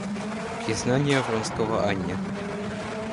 Признание Вронского Анне.